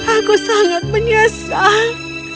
aku sangat menyesal